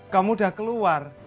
kamu udah keluar